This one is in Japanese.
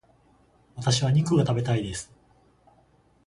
私は肉が食べたいです。